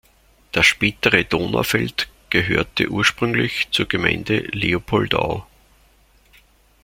Das spätere Donaufeld gehörte ursprünglich zur Gemeinde Leopoldau.